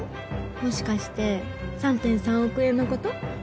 もしかして３．３億円の事？